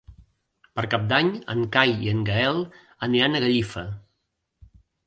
Per Cap d'Any en Cai i en Gaël aniran a Gallifa.